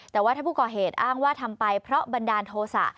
แต่ว่าถ้าผู้ก่อเหตุอ้างว่าทำไปเพราะบันดาลโทษะ